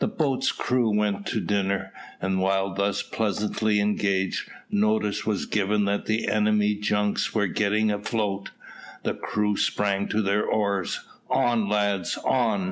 The boats' crews went to dinner, and while thus pleasantly engaged, notice was given that the enemy's junks were getting afloat. The crews sprang to their oars. "On, lads, on!"